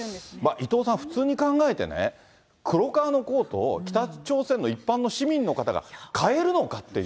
伊藤さん、普通に考えてね、黒革のコートを、北朝鮮の一般の市民の方が買えるのかっていう。